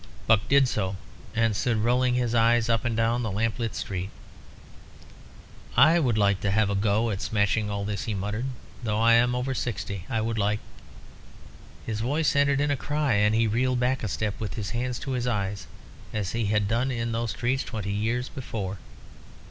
Buck did so, and stood rolling his eyes up and down the lamp lit street. "I would like to have a go at smashing all this," he muttered, "though I am over sixty. I would like " His voice ended in a cry, and he reeled back a step, with his hands to his eyes, as he had done in those streets twenty years before.